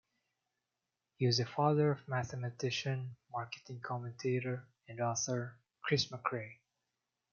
He was the father of mathematician, marketing commentator, and author Chris Macrae.